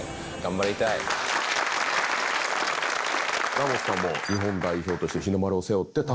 ラモスさんも日本代表として。